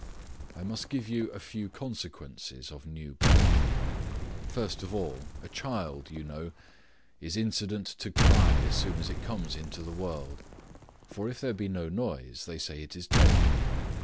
I must give you a few consequences of new birth. First of all, a child, you know, is incident to cry as soon as it comes into the world; for if there be no noise, they say it is dead.